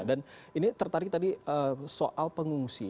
dan ini tertarik tadi soal pengungsi